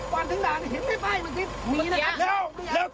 วุฒินาดีเชียวใจเลยครับ